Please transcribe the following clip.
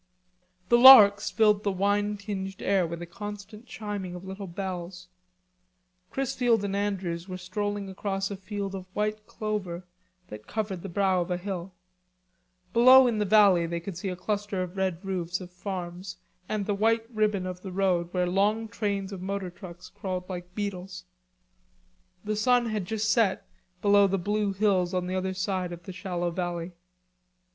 The larks filled the wine tinged air with a constant chiming of little bells. Chrisfield and Andrews were strolling across a field of white clover that covered the brow of a hill. Below in the valley they could see a cluster of red roofs of farms and the white ribbon of the road where long trains of motor trucks crawled like beetles. The sun had just set behind the blue hills the other side of the shallow valley.